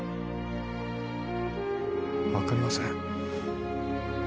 分かりません